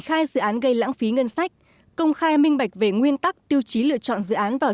khai dự án gây lãng phí ngân sách công khai minh bạch về nguyên tắc tiêu chí lựa chọn dự án vào